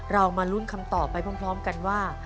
มาลุ้นคำตอบไปพร้อมกันว่า